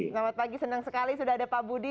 selamat pagi senang sekali sudah ada pak budi